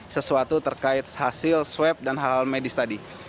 sesuatu terkait hasil swab dan hal medis tadi